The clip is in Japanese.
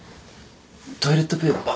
トイレットペーパー。